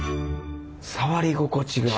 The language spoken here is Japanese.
触り心地が。